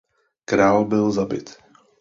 Král byl zabit.